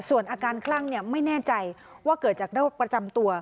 ส่วนอาการคลั่งไม่แน่ใจว่าเกิดจากโรคประจำตัว